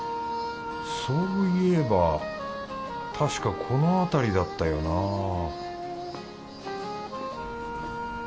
そういえばたしかこの辺りだったよなぁ